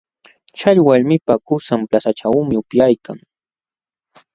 Chay walmipa qusan plazaćhuumi upyaykan.